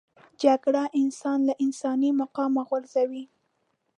جګړه انسان له انساني مقامه غورځوي